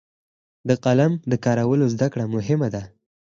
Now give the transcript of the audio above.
د قلم کارولو زده کړه مهمه ده.